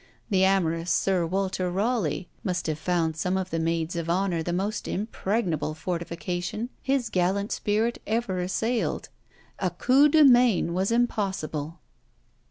The amorous Sir Walter Raleigh must have found some of the maids of honour the most impregnable fortification his gallant spirit ever assailed: a coup de main was impossible.